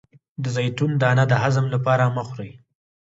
د زیتون دانه د هضم لپاره مه خورئ